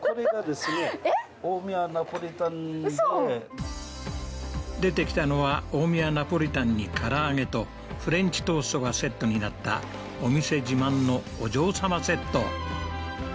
大宮ナポリタンで出てきたのは大宮ナポリタンにからあげとフレンチトーストがセットになったお店自慢のお嬢様セット